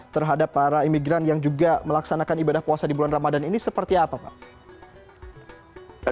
terhadap para imigran yang juga melaksanakan ibadah puasa di bulan ramadan ini seperti apa pak